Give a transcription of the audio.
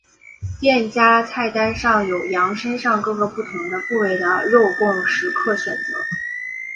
店家菜单上有羊身上各个不同的部位的肉供食客选择。